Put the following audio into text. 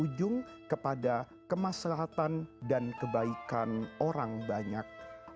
ujung kepada kemaslahatan dan kebaikan orang banyak